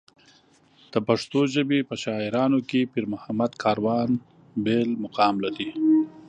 د پښتو ژبې په شاعرانو کې پېرمحمد کاروان بېل مقام لري.